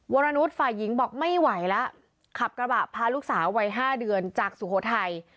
วรนุษย์ฝ่ายหญิงบอกไม่ไหวแล้วขับกระบะพาลูกสาววัย๕เดือนจากสุโขทัย